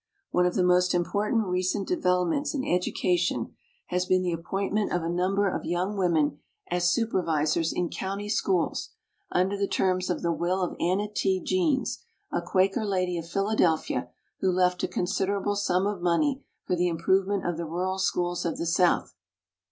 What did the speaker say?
One of the most important recent developments in education has been INTRODUCTION 13 the appointment of a number of young women as supervisors in county schools under the terms of the will of Anna T. Jeanes, a Quaker lady of Philadelphia who left a considerable sum of money for the improvement of the rural schools of the South.